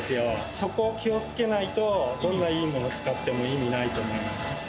そこを気をつけないと、どんないいもの使っても意味ないと思います。